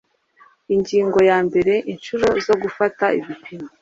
ingingo yambere inshuro zo gufata ibipimo